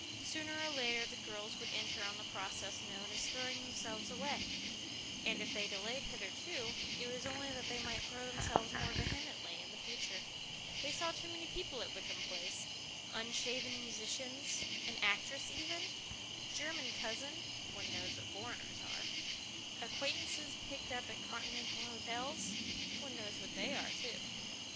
Sooner or later the girls would enter on the process known as throwing themselves away, and if they had delayed hitherto, it was only that they might throw themselves more vehemently in the future. They saw too many people at Wickham Place unshaven musicians, an actress even, German cousins (one knows what foreigners are), acquaintances picked up at Continental hotels (one knows what they are too).